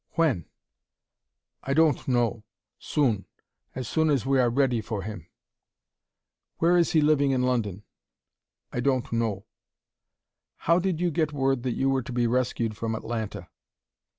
"When?" "I don't know. Soon. As soon as we are ready for him." "Where is he living in London?" "I don't know." "How did you get word that you were to be rescued from Atlanta?"